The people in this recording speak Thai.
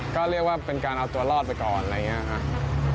ก็เรียกว่าเป็นการเอาตัวรอดไปก่อนอะไรอย่างนี้ครับ